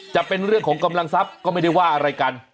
จะเป็นเรื่องของกำลังทรัพย์ก็ไม่ได้ว่าอะไรกัน